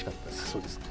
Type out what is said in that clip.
そうですか。